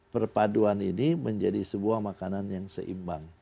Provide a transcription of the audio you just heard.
perpaduan ini menjadi sebuah makanan yang seimbang